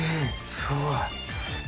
すごい！